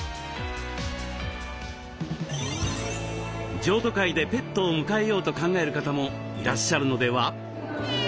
譲渡会でペットを迎えようと考える方もいらっしゃるのでは？